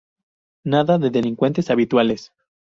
Nada de delincuentes habituales.